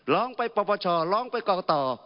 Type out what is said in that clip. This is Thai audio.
ร้องไปปรบประชาร้องไปกรกต่อ